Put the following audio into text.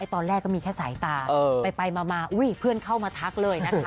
ตอนแรกก็มีแค่สายตาไปมาอุ้ยเพื่อนเข้ามาทักเลยนะคะ